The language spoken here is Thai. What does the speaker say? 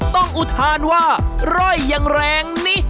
ต้องอุทานว่าร่อยอย่างแรงนี้